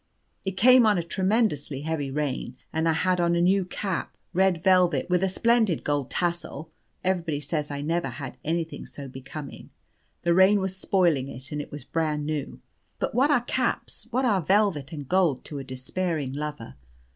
It came on a tremendously heavy rain, and I had on a new cap, red velvet, with a splendid gold tassel (everybody says I never had anything so becoming). The rain was spoiling it, and it was brand new. But what are caps, what are velvet and gold, to a despairing lover?